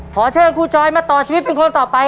ขอเชิญครูจอยมาต่อชีวิตเป็นคนต่อไป